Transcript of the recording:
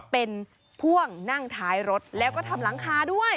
เป็นพ่วงนั่งท้ายรถแล้วก็ทำหลังคาด้วย